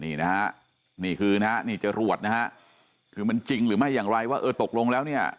นี่นะฮะนี่คือนะฮะนี่จรวดนะฮะคือมันจริงหรือไม่อย่างไรว่าเออตกลงแล้วเนี่ย